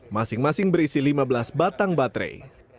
masing masing berisi lima belas batang baterai